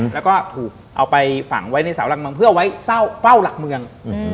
แล้วก็ถูกเอาไปฝังไว้ในเสาหลักเมืองเพื่อไว้เฝ้าหลักเมือง